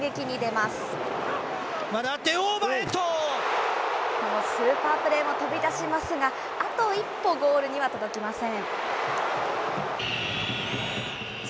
まだあって、スーパープレーも飛び出しますが、あと一歩、ゴールには届きません。